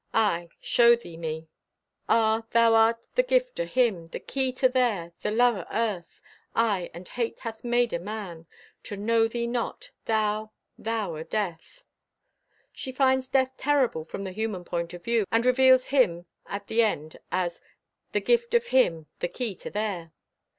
Aye, show thee me! Ah, thou art the gift o' Him! The Key to There! The Love o' Earth! Aye, and Hate hath made o' man To know thee not— Thou! Thou! O Death! She finds Death terrible from the human point of view, and reveals him at the end as "the gift of Him, the Key to There!"